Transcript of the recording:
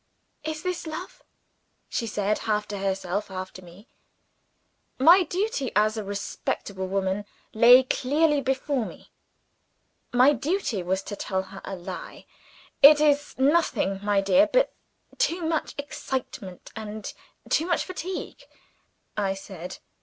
"Is this love?" she said, half to herself, half to me. My duty as a respectable woman lay clearly before me my duty was to tell her a lie. "It is nothing, my dear, but too much excitement and too much fatigue," I said.